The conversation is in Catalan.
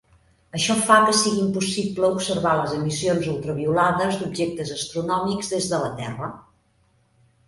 Això fa que sigui impossible observar les emissions ultraviolades d'objectes astronòmics des de la Terra.